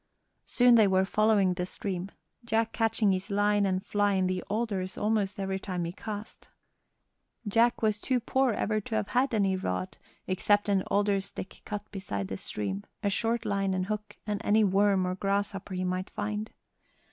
Soon they were following the stream, Jack catching his line and fly in the alders almost every time he cast. Jack was too poor ever to have had any rod except an alder stick cut beside the stream, a short line and hook, and any worm or grasshopper he might find.